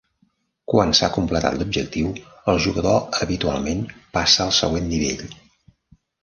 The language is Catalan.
Quan s'ha completat l'objectiu, el jugador habitualment passa al següent nivell.